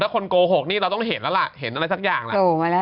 ถ้าคนโครงหกเนี่ยเราก็ยังละจะต้องเห็นอะไรซักอย่างล่ะ